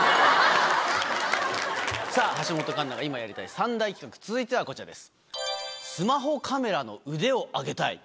橋本環奈が今やりたい３大企画続いてはこちらです。